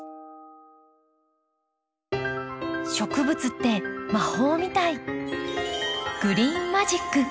植物って魔法みたい。